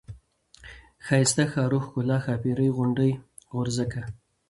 ښايسته ، ښارو ، ښکلا ، ښاپيرۍ ، غونډۍ ، غورځکه ،